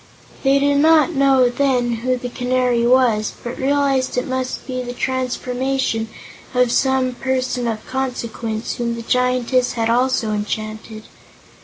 They did not know, then, who the Canary was, but realized it must be the transformation of some person of consequence, whom the Giantess had also enchanted.